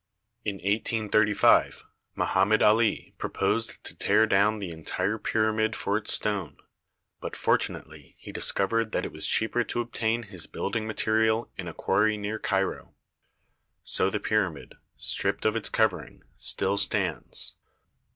In 1835 Moham med Ali proposed to tear down the entire pyramid for its stone, but fortunately he discovered that it was cheaper to obtain his building material in a quarry near Cairo. So the pyramid, stripped of its covering, still stands.